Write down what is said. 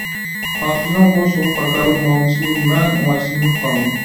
ھاپىزنىڭ بۇ سوغۇق، ھاكاۋۇر، مۇئامىلىسىدىن مەن ئوڭايسىزلىنىپ قالدىم.